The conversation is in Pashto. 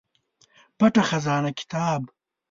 پټه خزانه کتاب